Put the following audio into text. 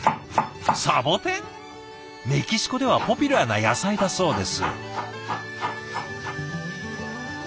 メキシコではポピュラーな野菜だそうです。